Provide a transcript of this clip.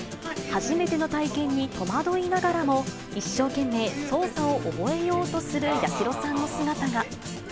初めての体験に戸惑いながらも、一生懸命操作を覚えようとする八代さんの姿が。